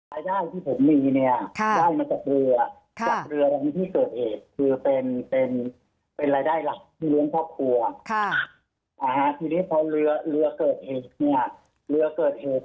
รายได้ที่ผมมีได้มาจากเรือกับเรื้อที่เกิดเหตุ